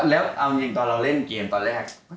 แล้วเอาอย่างงี้ตอนเราเล่นเกมตอนแรก